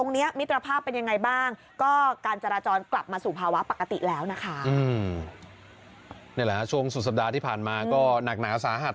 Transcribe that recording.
นี่แหละฮะช่วงสุดสัปดาห์ที่ผ่านมาก็หนักหนาสาหัส